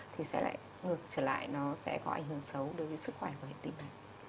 thì sẽ lại ngược trở lại nó sẽ có ảnh hưởng xấu đối với sức khỏe của hệ tinh thần